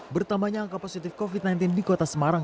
bertambahnya angka positif covid sembilan belas di kota semarang